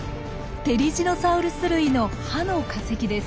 テリジノサウルス類の歯の化石です。